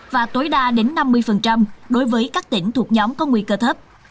và tối đa đến năm mươi đối với các tỉnh thuộc nhóm có nguy cơ thấp